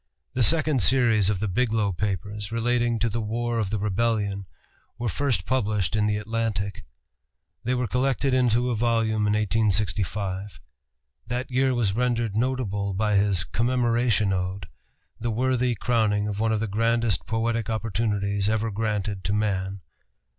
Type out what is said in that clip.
The second series of the "Biglow Papers," relating to the War of the Rebellion, were first published in the Atlantic. They were collected into a volume in 1865. That year was rendered notable by his "Commemoration Ode," the worthy crowning of one of the grandest poetic opportunities ever granted to man.